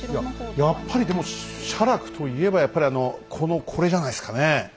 いややっぱりでも写楽と言えばやっぱりあのこのこれじゃないですかね。